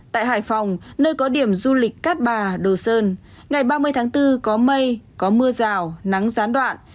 tại hải phòng nơi có điểm du lịch cát bà đồ sơn ngày ba mươi tháng bốn có mây có mưa rào nắng gián đoạn